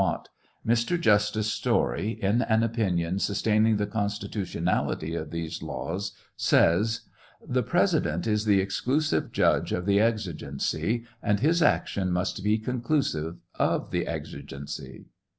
Mott,) Mr. Justice Story, in an opinion sustain ing the constitutionality of these laws, says : The President is the exclusive judge of the exigency, and his action must be conclusive of the exigency.